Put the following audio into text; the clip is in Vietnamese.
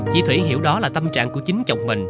chị thủy hiểu đó là tâm trạng của chính chồng mình